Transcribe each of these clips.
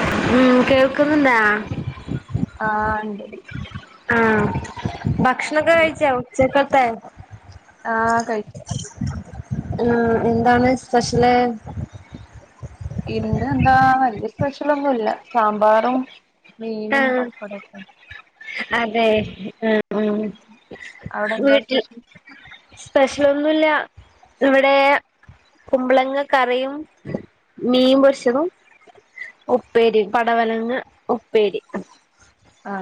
ആഹ് ഉം കേൾക്കുന്നുണ്ടോ ഇണ്ട് ആ ഭക്ഷണൊക്കെ കഴിച്ചാ ഉച്ചക്കത്തെ ആ കഴിച്ചു ആ എന്താണ് സ്പെഷ്യല് ഇന്ന് എന്താ വല്യ സ്പെഷ്യലൊന്നുംല്ല സാമ്പാറും മീനും ആഹ് പപ്പടൊക്കെ അതെ ഉം ഉം അവിടെ എന്താ വീട്ടിൽ സ്പെഷ്യൽ സ്പെഷ്യലൊന്നുല്ല ഇവിടെ കുമ്പളങ്ങ കറിയും മീൻ പൊരിച്ചതും ഉപ്പേരി പടവലങ്ങ ഉപ്പേരി ആ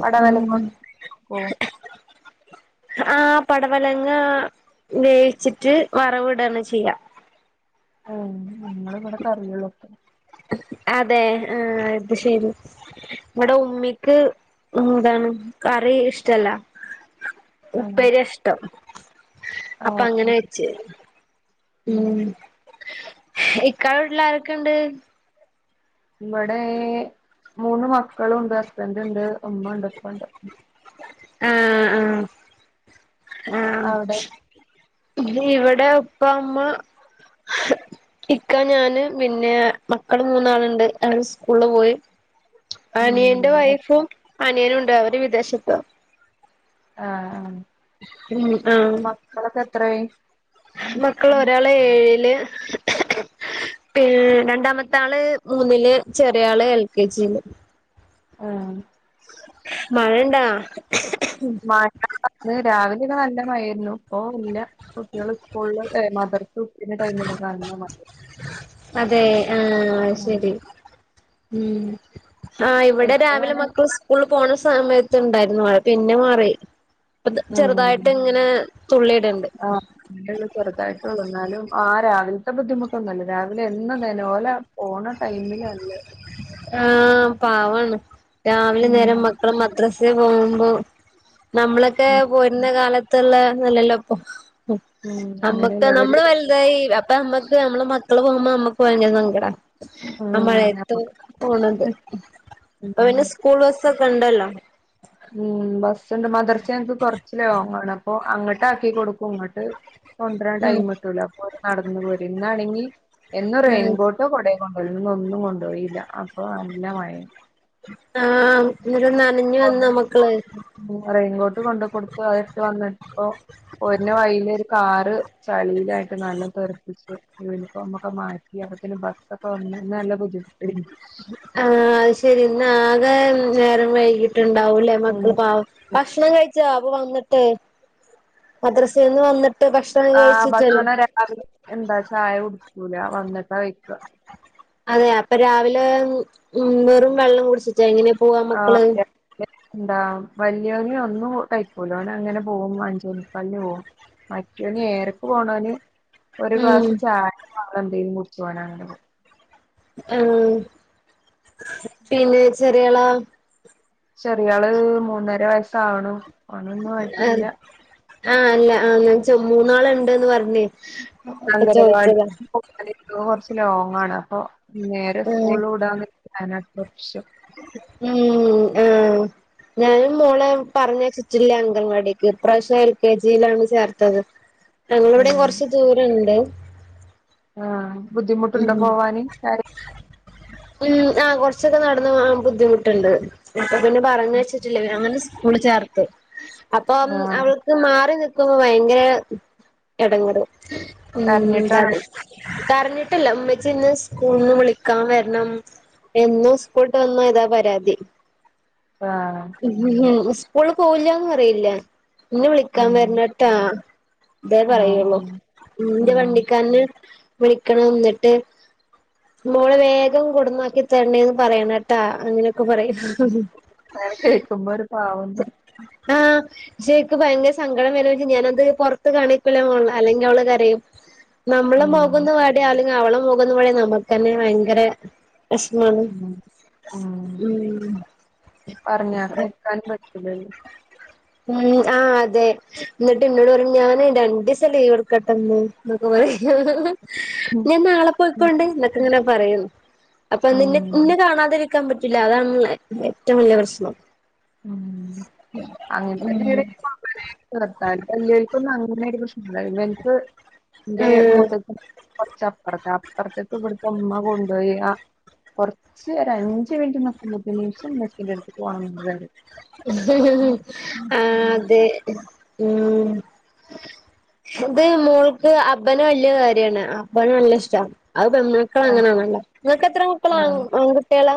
പടവലങ്ങ ഉപ്പേരി വെക്കോ ആ പടവലങ്ങ വേവിച്ചിട്ട് വറവടാണ് ചെയ്യാ ആ നിങ്ങള് ഇവിടെ കറിയുള്ളപ്പോ അതെ ആ അത് ശരി ഇവിടെ ഉമ്മിക്ക് ഉം ഇതാണ് കറി ഇഷ്ടല്ല ആഹ് ഉപ്പേരിയാ ഇഷ്ടം അപ്പൊ ആഹ് അങ്ങനെ ഉം വെച്ച് ഉം. ഇക്കാടെവീട്ടിലാരൊക്കെയുണ്ട്? ഇവിടെ മൂന്ന് മക്കളുണ്ട് ഹസ്ബൻറ് ഉണ്ട് ഉമ്മണ്ട് ഉപ്പണ്ട്. ആ ആ ആ അവിടെ ഇവിടെ ഉപ്പ ഉമ്മ ഇക്ക ഞാന് പിന്നെ മക്കള് മൂന്നാളുണ്ട് അവര് സ്കൂളില് പോയി. ഉം അനിയന്റെ വൈഫും അനിയനും ഉണ്ട് അവര് വിദേശത്താ ആ ആ ഉം ആ മക്കള് ഒരാള് ഏഴില് [inaudible] ഏഹ് രണ്ടാമത്തെ ആള് മൂന്നില് ചെറിയ ആള് എൽ കെ ജിയില് ആ മഴണ്ടാ [unintelligible] വയ്യായിരുന്നു ഓ ഇല്ല കുട്ടികള് സ്കൂളിൽ ഏ മദർ അതെ ആ ശരി ഉം ആ് ആഹ് ഇവിടെ ഇപ്പൊ രാവിലെ അങ്ങനെ മക്കൾ സ്കൂൾ പോണ സമയത്ത് ണ്ടായിരുന്നു മഴ പിന്നെ മാറി പ തെ ചെറുതായിട്ട് ഉം ഇങ്ങനെ തുള്ളിടെണ്ട് ഉം ആഹ് അങ്ങനെയുള്ളൂ ചെറുതായിട്ടുള്ളൂ എന്നാലും ആ രാവിലത്തെ ബുദ്ധിമുട്ടൊന്നുംല്ല രാവിലെ എന്നും തന്നെ ഒലെ പോണ ടൈമിൽലല്ലേ ആ പാവാണ് രാവിലെ ഉം നേരം മക്കളും മദ്രസ്സ് തെ പോകുമ്പോ നമ്മളൊക്കെ ഉം പോരുന്ന കാലത്തുള്ള നല്ലല്ലോ ഇപ്പൊ ഉം അമ്മക്ക് നമ്മള് വലുതായി അപ്പ അമ്മക്ക് നമ്മള്‌ മക്ക മക്കള് പോകുമ്പോ നമ്മക്ക് ഭയങ്കര സങ്കടാ ആ ഉം മഴയത്ത് തു പോണത് ഇപ്പോ ഉം പിന്നെ സ്കൂൾ ബസ്സൊക്കെ ഇണ്ടല്ലോ ഉം ബസ്ണ്ട് മദർസ യങ്ങക്ക് കൊറച്ച് ലോങ്ങണ പ്പൊ അങ്ങോട്ടാക്കി കൊടുക്കും ഇങ്ങട്ട് കൊണ്ടരാൻ ഉം ടൈമ്ട്ടൂല പ്പൊ നടന്ന് പോര ന്നാണെങ്കി എന്നും ഉം റെയിൻകോട്ടോ കൊടെ [unintelligible] ന്ന ഒന്നും കൊണ്ടുയില്ല അപ്പൊ നല്ല മഴേ ആ ന്നിട്ട് നനഞ്ഞു വന്നുമ്മക്കള് റെയിൻകോട്ട് കൊണ്ട് കൊട്ത്ത് അയിട്ട് വന്ന പ്പോ പോര്ന വയില് കാറ് ചളിയിലായിട്ട് നല്ലം തെറപ്പിച്ച് യൂണിഫോമക്കെ മാറ്റി അപ്പത്തിന് ബസ്സൊക്കെ അന്ന് നല്ല ബുദ്ധിമുട്ടേര്ന്നു ആ അഅ് ശരി ഇന്ന ആകെ നേരം വൈകി ട്ട്ണ്ടാവൂല്ലേ മക്കൾ ഉം പാവം ഭക്ഷണം കഴിച്ചോ വന്നിട്ട് മദ്രസേന്ന് വന്ന് ആ ഭക്ഷണം രാവിലെ എന്താ ചായ കുടിക്കൂല വന്ന്ട്ടാ കൈക്ക അതെ അപ്പ രാവിലെ ഉം വെറും വെള്ളം കുടിച്ച്ട്ടാ എങ്ങനെ പോവാ മക്കള് ആഹ് എന്താ വലിയൊലൊന്നും കയിക്കൂല ഓന് അങ്ങനെ പോകും അഞ്ചേമുക്കാൽന് പോവും മറ്റോന് ഏഴരക്ക പോണോന് ഒരു ഉം ഗ്ലാസ് ചായ വള്ളംഎന്തെിലും കുടിച്ച് ഓനങ്ങനെ പോവും ആ പിന്നെ ചെറിയളാ ചെറിയാള് മൂന്നര വയസ്സാവ്ണു ഓനന്നുആയിട്ടില്ല ആ അല്ല ആ ഞാൻ ചോ മൂന്നാള്ണ്ട്ന്ന് പറഞ്ഞ് അപ്പ ചോദിച്ചതാ സ്കൂകുറച്ച് ലോങ്ങാണ് അപ്പൊ നേരെ ആഹ് സ്കൂളുടാന്ന് [unintelligible] കുറച്ച് ഉം ആ ഞാനും മോളെ പറഞ്ഞയച്ചിട്ടില്ല അഗൻവാടിക്ക് ഇപ്രാവശ്യ എൽ കെ ജിയിലാണ് ചേർത്തത് ഞങ്ങളിവിടെം കൊറച്ച് ദൂരണ്ട് ആ ഉം ബുദ്ധിമുട്ട്ണ്ടോ പോവാന് [unintelligible] ഉം ആ കൊറച്ച്ക്കെ നടന്ന് പോവാം ബുദ്ധിമുട്ട്ണ്ട് ഇപ്പ പിന്നെ പറഞ്ഞയച്ചിട്ടില്ല അങ്ങനെ സ്കൂള് ചേർത്തു അപ്പോം ആഹ് അവൾക്ക് മാറി നി ക്കും ഭയങ്കര എടങ്ങറ് ഉം കരഞ്ഞിട്ടാണോ [unintelligible] കരഞ്ഞി ട്ടില്ല മ്മച്ചിന്ന് സ്കൂള്ന്ന് വിളിക്കാം വര്ണം എന്നു സ്‌കൂൾട്ടവന്നാ ഇതാ പരാതി ആഹ് ഉം ഉം ഹു സ്കൂള് പോവില്ല്യാന്ന് പറയില്ല ന്നെ വിളിക്കാൻ ഉം വര്നട്ടാ തേ ഉം പറയൊള്ളൂ ഉം ന്റെ ഉം വണ്ടിക്കാര്നെ വിളിക്കണം ന്നിട്ട് മോളെ വേഗം കൊട്ന്നാക്കി തര്ണേ പറയണട്ടാ അങ്ങനെയൊക്കെ പറയും അങ്ങനെ കേക്കുമ്പോ ഒരു പാവം ജേക്ക് ഭയങ്കര സങ്കടം വരോച്ച് ഞാനത് പൊറത്ത് കാണിക്കുലാന്നൊള്ളു അല്ലങ്കി അവള് കരയും [inaudible] നമ്മളെ മൊഖോന്ന് വാടിയ അല്ലെങ്കി അവളെ മൊഖോന്നു വാടിയ നമക്കന്നെ ഭയങ്കരെ വേസ്മാണ് ഉം ഉം പറഞ്ഞാകേക്കാനും പറ്റൂലല്ലോ ഉം ആ അതെ ന്നിട്ട് ഇന്നോട് പറിം ഞാന് രണ്ടിസം ലീവ്ട്ക്കട്ടെ മ്മാ എന്നൊക്കെ പറിം ഉം ഞാൻ നാളെ ഉം പൊയ്ക്കോണ്ട് ന്ന്ട്ട്ങ്ങനെ പറയും അപ്പന്നിന്നേ ഉം, ഇന്നെ കാണാതിരിക്കാൻ പറ്റൂല്ല അതാണ് ഓളെ ഏറ്റവും വല്യാ പ്രശ്നം ഉം ഉം അങ്ങനത്തന്നെണ് [unintelligible] വേല്ലിയോൽക്കൊന്നും അങ്ങനെ ഒരു പ്രശ്നുല്ലാ ഇവൻക്ക് ഇന്റെ ആഹ് മൂത്തച്ച കൊറച്ചപ്പറത്താ അപ്പറ്ത്ത്ക്ക് ഇബ്‌ട്ത്തുമ്മ കൊണ്ടോയി അ കൊറ്ച്ച് ഒരഞ്ച് മിൻറ്റ് നിക്കുമ്പോത്തിന് ഇന്ക്ക് ഇമ്മച്ചിൻ്റെട്ത്ത്ക്ക് പോണന്ന് പറിം ആ അതെ ഉം ഇത് മോൾക്ക് അബനെ വല്ല്യ കാര്യാണ് അബനെ നല്ല ഇഷ്ടാ അത് ആഹ് പെന്മക്കളങ്ങനാണല്ലോ ഇങ്ങക്ക് എത്ര മക്കളാ ആൺ ആഹ് ആൺകുട്ട്യാള്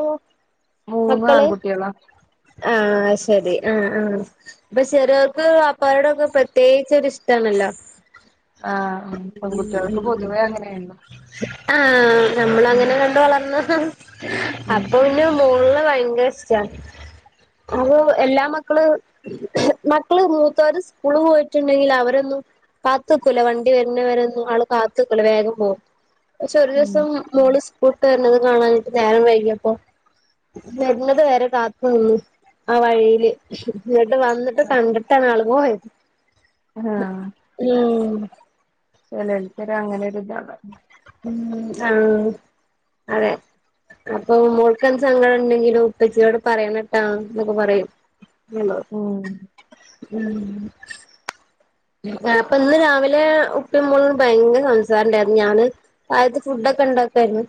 മൂന്ന് ആൺകുട്ട്യാളാ ആ ശരി ആ ആ ഇപ്പ ചെറിയോർക്ക് വാപ്പാരോടൊക്കെ പ്രത്യേയിച്ചൊര് ഇഷ്ട്ടാണല്ലോ ആ പെൺകുട്ടികൾക്ക് പൊതുവേ അങ്ങനെയാണല്ലോ. ആഹ് ഉം നമ്മളങ്ങനെ കണ്ട് വളർന്ന ഉം അപ്പൊ പിന്നെ മോൾ ഇക് ഭയങ്കര ഇസ്ട അത് എല്ലാ മക്കള് മക്കള് മൂത്തോര് സ്കൂള് പോയിട്ടുണ്ടെങ്കിൽ അവരൊന്നും കാത്ത്ക്കൂല വണ്ടി വരുന്നവരെന്നും ആള് കാത്ത്ക്കല വേഗം പോകും. പക്ഷെ ഒരു ഉം ദിവസം മോൾ സ് കൊട്ടുവരുന്നത് കാണാഞ്ഞിട്ട് നേരം വൈകിയപ്പോ വരുന്നത് വരെ കാത്തു നിന്ന്. ആ വഴിയില് ഇങ്ങട്ട് വന്നിട്ട് കണ്ടിട്ടാണ് ആള് പോയത്. [unintelligible] ചെലോൽക്കങ്ങനൊരുതാ മ് ആ അതെ അപ്പൊ മോൾക്കെന്ത് സങ്കടണ്ടെങ്കിലും ഉപ്പച്ചിയോട് പറയണട്ടോ ന്നൊക്കെ പറയും. ഉം [unintelligible] [unintelligible] ഇന്ന് രാവിലെ അകത്ത് ഫുഡൊക്കെണ്ടാക്കായിരുന്നു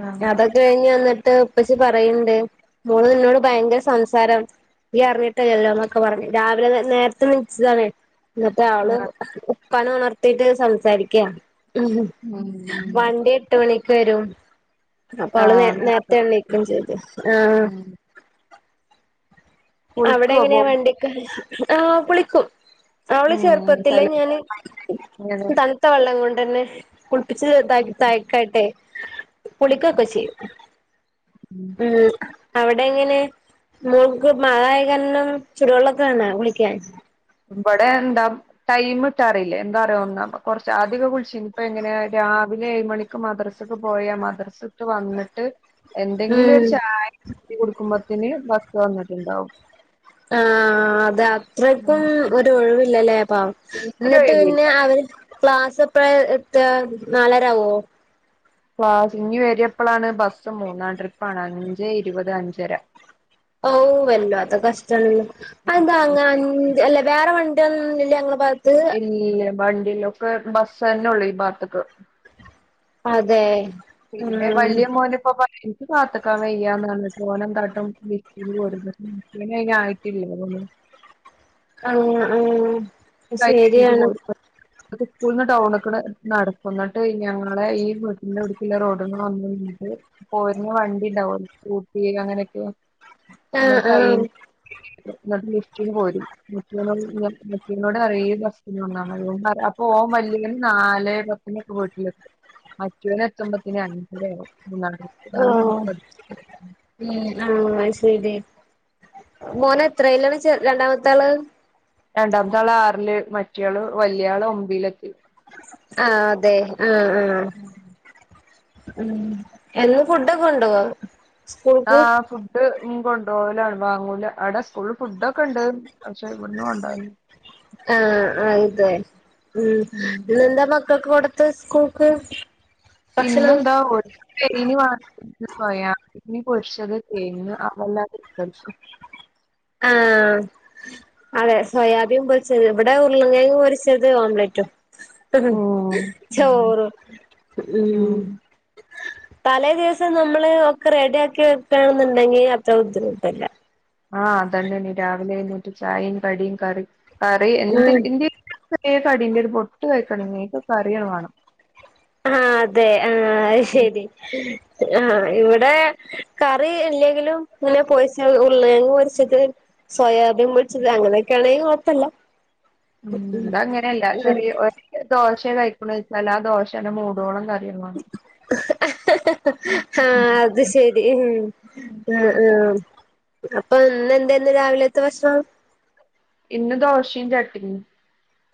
ആഹ് അതൊക്കെ ട്ട് ഉപ്പച്ചി പറയണ്ട് മോള് എന്നോട് ഭയങ്കര സംസാരം നീയറിഞ്ഞിട്ടല്ലല്ലോന്നൊക്കെ പറഞ്ഞു രാവിലെ നേരത്തെണ്ണീച്ചതാണേ. മറ്റേ ആള് ആഹ് ഉപ്പാനെ ഉണർത്തീട്ട് സംസാരിക്ക. ഉം ഉം വണ്ടി എട്ട് മണിക്ക് വരും. അപ്പൊ അവള് നേ ആഹ് നേരത്തെണിക്കും ചെയ്തു ങ്ആ. ഉം കുളിക്കോ അവിടെങ്ങനെയാ പോകുമ്പോ വണ്ടിക് ആ കുളിക്കും. അവള് ഉം ചെർപ്പത്തില്ലേ ചെലോര് ഞാന് തണുത്ത വെള്ളം കൊണ്ടന്നെ കുളിപ്പിച്ച് ത തഴക്കട്ടെ കുളിക്കൊക്കെപ്പചെയും മ് അവിടെങ്ങനെ? മയായകനും ചുടുവെള്ളൊക്കെണ കുളിക്കാൻ. ബടെന്താ ടൈംമിട്ടാറിയില്ലേ എന്താ അറിയോ കുറച്ച ആധിക്കൊളിച്ചിനി ഇപ്പ ങ്ങനെ രാ വിലെ ഏഴ മണിക്ക് മദ്രസക്ക് പോയാ മദ്രസട്ട് വന്നിട്ട് എന്തെങ്കിലും ഉം ഒരു ചായ കൊടുക്കുമ്പത്തിന് ബസ് വന്നിട്ടുണ്ടാവും. ആ അത് ഉം. അത്രയ്ക്കും ഒരു ഒഴിവില്ലല്ലേ? പ്പ തീരെ ന്നിട്ട് ഒഴിവില്ല ന്നെ അവര് ക്ലാസ് എപ്പഴ എത്താ നാലരവോ? ക്ലാസ് ഇഞ്ഞി വരപ്പളാണ് ബസ്സ് മൂന്നാം ട്രിപ്പാണ് അഞ്ച് ഇരുപത് അഞ്ചര. ഓ വല്ലത്തെ കഷ്ടണല്ലോ അതന്താ ങ്ങ? ല്ല വേറെ വണ്ടിന്നും ല്ല ങ്ങള് ഇല്ല വണ്ടിയിലൊക്കെ ബസ്സന്നെള്ളൂ ഈ ഭാത്തക്ക്. അതെ. പിന്നെ ആഹ് വല്യ മോന്പ്പോ പ കാത്ക്കാൻ വെയ്യാന്നറഞ്ഞി ട്ടോനന്താട്ടും വി [unintelligible] ആയിട്ടില്ല. ആ ആ ശരിയാണ്. സ്കൂളന്ന് ടൌൺക്ണ് നടക്കും ന്നിട്ട് ഞങ്ങളെ ഈ വീട്ടന്റെടുക്കുള്ള റോഡമ്മ ന്നിട്ട് പോരുന്ന വണ്ടി ണ്ടാവും ഊട്ടി അങ്ങനെക്കെ ആ ആ. ന്നട്ട് ലിസ്റ്റിന് പോരും. ട് റിബസ്ന്നാ അപ്പൊ ഓന് വല്ല്യോൻ നാലെ പത്തിനൊക്കെ വീട്ടിലെത്തും. മറ്റൊന് എത്തൊമ്പത്തിന് അഞ്ചരാവും. ഓ മ് ആ ശരി. മോനെത്രയിലാണ് ചേർ രണ്ടാമത്തെ ആള്? രണ്ടാമത്തെ ആള് ആറില് മറ്റാള് വലിയ ആള് ഒമ്പിലെത്തി. ആ അതെ. ആഹ് ആഹ് ഉം ഉം എന്നും ഫുഡൊക്കെണ്ടോ ആ ഫുഡ്ഡ് ഉം കൊണ്ടോവലാണ് വാങ്ങൂല അവിടെ സ്കൂൾ ഫുഡ്ഡ്ക്കെണ്ട് പക്ഷേ ഇവിട്ന്ന് കൊണ്ടോ അ അതെ ഉം നിന്റെ മക് ക്കൊക്കെ കൊടുത്ത് സ്കൂക്ക് ഇന്നെന്താ [unintelligible] വാട്സാപ്പിൽ പറയാം ഇനി പോരിച്ചത് കേങ്ങ് അതെല്ലാതെ ഇഷ്ട്ടല്ലാരിക്കും ആഹ് അതെ സോയാബി പൊരിച്ചത് ഇവിടെ ഉർളക്കെങ്ങ് പൊരിച്ചത് ഓംലറ്റും ഉ ഹ് ഉം ചോറോ ഉ ഉം തലേ ദിവസം നമ്മള് ഒക്കെ റെഡി ആക്കി വെക്കണെന്നുണ്ടെങ്കി അത്ര ബുദ്ധിമുട്ടില്ല. അ അതന്നെടി രാവിലെ എന്നഴുന്നേറ്റ് ചായിം കടിം കറി കറി ഇണ്ട് ഉം ഇന്റെ യിക്കൊക്കെ കടിന്റെരു പൊട്ട് കഴിക്കണെങ്കി ഇക്ക്കറി വേണം. ആ അതെ ആഅത് ശരി അ അ ഇവിടെ കറി ഇല്ലെങ്കിലും ഇങ്ങനെ പൊരിച്ച ഉർളകേങ്ങ് പൊരിച്ചിട്ട് സോയാബീൻ പൊരിച്ചത് അങ്ങനെയൊക്കൊണെങ്കികൊഴപ്പല്ല. ഉം ഇതങ്ങനെല്ല ചെറിയ ഒരു ദോശ കഴിക്കണെ ച്ചാലും ആ ദോശന്നെ മൂടോളം കറി ദേ വേണം ഹ ഹ അത് ശരി ഉം അപ്പ ഇന്ന് എന്തര്ന്നു രാവിലത്തെ ഭക്ഷണം ഇന്ന് ദോഷിംചട്ടിനി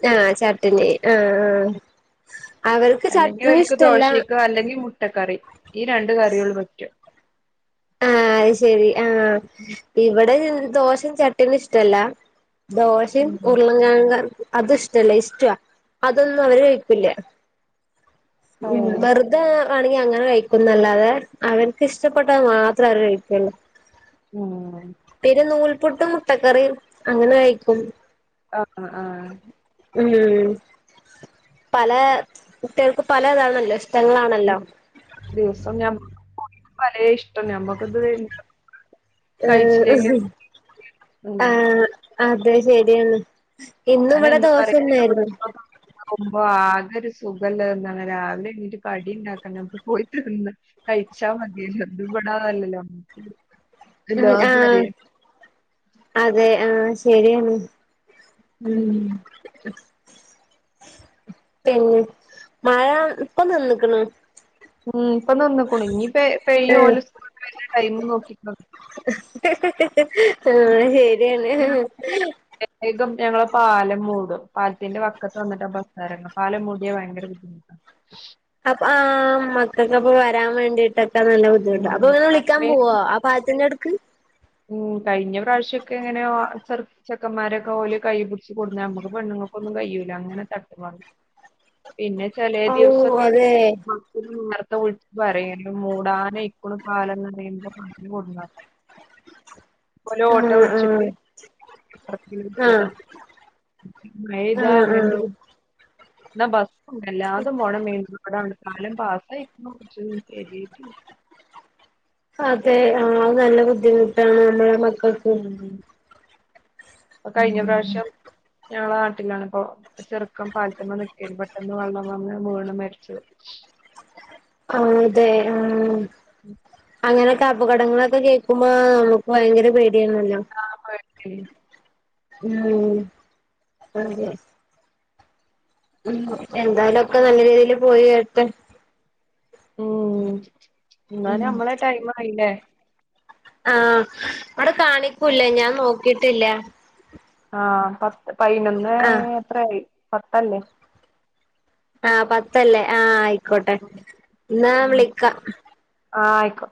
ഞാൻ ചട്ട്ണി അ അല്ലെങ്കിഒല്ക്ക് ദോശക്കോ അല്ലെങ്കി മുട്ടക്കറി ഈ രണ്ട് കറികളു പറ്റു. ആ അത് ശെരി ആ ഇവടെ ദോശ ചട്ടി ഒന്നും ഇഷ്ടല്ല. ദോശ ഉം. ഉരുളങ്കെഴങ്ങ അത് ഇഷ്ടല്ല ഇസ്റ്റുഅ അതൊന്നും അവര് കഴിക്കില്ല. ഓ ഉം വെറ്തെ വണെങ്കി അങ്ങനെ കഴിക്കുന്നല്ലതെ അവൻ ക്ക് ഇഷ്ടപ്പെട്ടത് മാത്രെ അവര് കഴിക്കോള്ളൂ. ഉം പുട്ടും മുട്ടക്കറി അങ്ങനെ കയിക്കും. അ അ ആ ഉം പല കുട്ടികൾക്കും പലതാണല്ലോ. ഉം ഇഷ്ടങ്ങളാണല്ലോ ദിവസം ഞമ്മക്ക് ഓല്ക്ക് പലെ ഇഷ്ടം ഞമ്മക്ക ഇത് വേണ്ട. ഏ ഇഹ് ആ അങ്ങനെ അതെ ശരിയാണ് ഇന്നും ഇവിടെ ദോശതന്നെ ആയിരുന്നു. ുമ്പോ ആകെ ഒരു സുഖമല്ലന്ന രാവിലെ എണിൻ്റെ കടി ഉണ്ടാക്കാക്ക് പോയി തന്ന കഴ ചാ മതിയല്ലോ ഇത്ഇവടെ അതല്ലല്ലോ. ഉം ആ അതെ ആ ശരിയാണ്. ഉം പിന്നെ മഴ ഇപ്പൊ നിന്നിക്ണ്. ഉം ഇപ്പൊ നിന്നുക്കുണയ് ഇഞ്ഞിപെ പെയ്യും ഉം ഓല് സ്കൂൾട്ട് വര്ണ ടൈം നോക്കിങ്ങാണ്ട്. ഹാ ഹ ആ ശരിയാണ് ഞാൻ വേഗം ഞങ്ങളെ പാലം മൂടും പാലത്തിന്റെ വക്കത്ത് വന്നിട്ടാ ബസ്സറങ്ങാ പാലം മൂടി ഭയങ്കര ബുദ്ധിമുട്ടാണ്. ശ് അപ്പ ആ മക്കൾക്കപ്പോ വരാൻ വേണ്ടിട്ട നല്ല ബുദ്ധിമുട്ടാ ഉം അപ്പഇവനെ വിളിക്കാൻ ആദ്യമേ പോകോ അ പാലത്തിന്നട് ഉം കഴിഞ്ഞ പ്രാവശ്യൊക്കെ ഇങ്ങനെഒ ചെർ ചെക്കാമ്മരോക്കൊല് കൈ പിടിച്ച് കൊടുന്ന് നമ്മക്ക്‌ പെണ്ണു നമ്മക്കൊന്നും കയ്യൂല അങ്ങനെ ത [unintelligible] പിന്നെ ചെലെ ഔ ദിവസക്കേണ് അതെ [unintelligible] [unintelligible] പോലെ ഓട്ടോ ആഹ് വിളിച്ചിട്ട് ആഹ് ആഹ് [unintelligible] മഴ പെയ്ത ആഹ് അങ്ങനെ ഒരു ആഹ് ബു [unintelligible] [unintelligible] ആ അത് നല്ല ബുദ്ധിമുട്ടാണ് നമ്മള മക്കൾക്ക് ഉം കഴിഞ്ഞ പ്രാവശ്യം ഞങ്ങളെ നാട്ടിലാണിപ്പൊ ഒരു ചെർക്കൻ പാലത്ത്മ്മ നിക്കണി പെട്ടെന്ന് വെള്ളം വന്ന് വീണ് മരിച്ചു. ആ അതേ ആ [inaudible] ങ്ങനൊക്കെ അപകടങ്ങളൊക്കെ കേക്കുമ്പോ നമുക്ക് ഭയങ്കര പേടിയണല്ലോ. [unintelligible] ഉം അതേ ഉം എന്തായാലും ഒക്കെ നല്ല രീതിൽ പോയി വരട്ടെ ഉം ന്നാ ഉം ഞമ്മളെ ടൈം ആയില്ലേ? ആ അവടെ കാണിക്കുംലേ ഞാൻ നോക്കിട്ടില്ല. ആ പത്ത് പയിനൊന്ന് ആ എത്രയി പത്തല്ലേ? ആ പത്തല്ലേ ആ ആയിക്കോട്ടെ ന്നാ വിളിക്കാ. ആ ആയിക്കോ